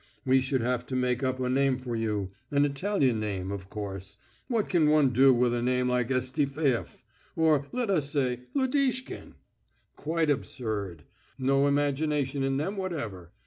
We should have to make up a name for you an Italian name, of course. What can one do with a name like Esteepheyef, or let us say, Lodishkin? Quite absurd! No imagination in them whatever.